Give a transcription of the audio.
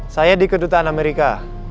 saya di kedutaan amerika